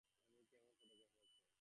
আমি কেমন ফটোগ্রাফার চাই?